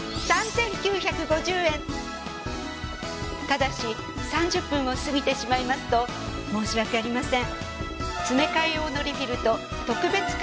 ただし３０分を過ぎてしまいますと申し訳ありません。